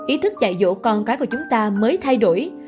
ý thức dạy dỗ con cái của chúng ta mới thay đổi